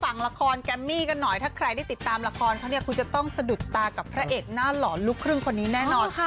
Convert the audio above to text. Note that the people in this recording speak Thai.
ฟังละครแกมมี่กันหน่อยถ้าใครได้ติดตามละครเขาเนี่ยคุณจะต้องสะดุดตากับพระเอกหน้าหล่อนลูกครึ่งคนนี้แน่นอน